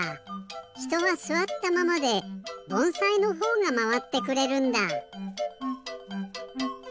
ひとはすわったままでぼんさいのほうがまわってくれるんだ。